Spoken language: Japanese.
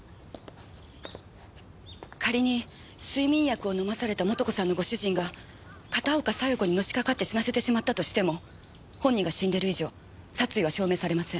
仮に睡眠薬を飲まされた素子さんのご主人が片岡小夜子にのしかかって死なせてしまったとしても本人が死んでる以上殺意は証明されません。